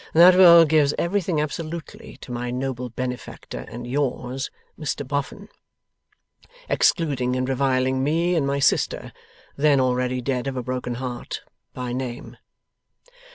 That will gives everything absolutely to my noble benefactor and yours, Mr Boffin, excluding and reviling me, and my sister (then already dead of a broken heart), by name.